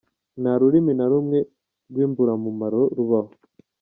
Nta rurimi na rumwe rw’imburamumaro rubaho".